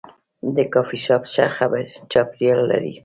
دا کافي شاپ ښه چاپیریال لري.